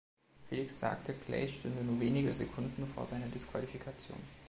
Felix sagte, Clay stünde nur wenige Sekunden vor seiner Disqualifikation.